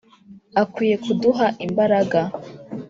akwiye kuduha imbaraga